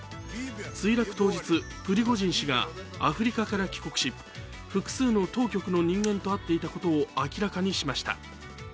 墜落当日、プリゴジン氏がアフリカから帰国し複数の当局の人間とあっていたことを明らかにしました。